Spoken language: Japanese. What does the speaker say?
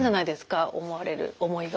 思われる思いが。